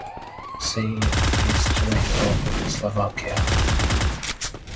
See History of Slovakia.